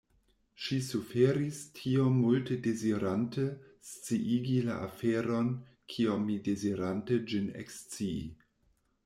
Ŝi suferis tiom multe dezirante sciigi la aferon kiom mi dezirante ĝin ekscii.